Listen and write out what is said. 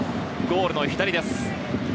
ゴール左です。